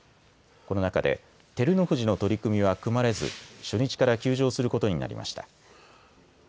この中で照ノ富士の取組は組まれず初日から休場することになりました。